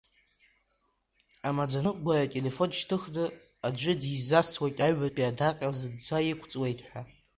Амаӡаныҟәгаҩ ателефон шьҭыхны, аӡәы дизасуеит аҩбатәи адаҟьа зынӡа иқәҵуеит ҳәа.